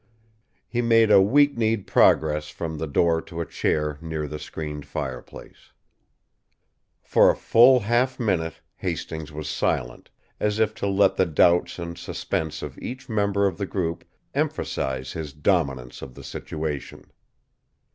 He made a weak kneed progress from the door to a chair near the screened fireplace. For a full half minute Hastings was silent, as if to let the doubts and suspense of each member of the group emphasize his dominance of the situation.